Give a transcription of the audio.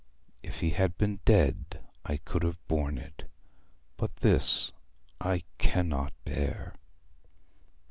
'If he had been dead I could have borne it, but this I cannot bear!'